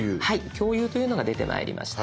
「共有」というのが出てまいりました。